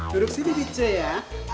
duduk sini bece ya